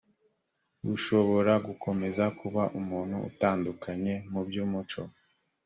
ushobora gukomeza kuba umuntu utanduye mu by umuco